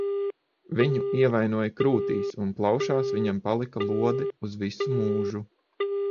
Viņu ievainoja krūtīs un plaušās viņam palika lode uz visu mūžu.